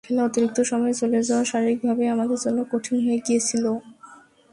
খেলা অতিরিক্ত সময়ে চলে যাওয়ায় শারীরিকভাবেই আমাদের জন্য কঠিন হয়ে গিয়েছিল।